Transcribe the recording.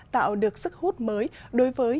tạo được sức hút mới đối với